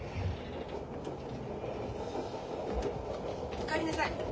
お帰りなさい。